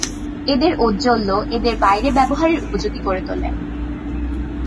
এদের ঔজ্জ্বল্য এদের বাইরে ব্যবহারের উপযোগী করে তোলে।